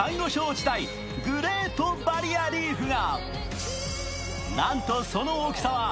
地帯グレートバリアリーフが。